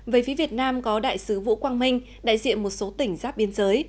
về phía việt nam có đại sứ vũ quang minh đại diện một số tỉnh giáp biên giới